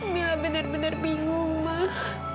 mila benar benar bingung mas